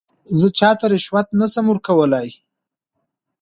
زه چاته رشوت نه شم ورکولای.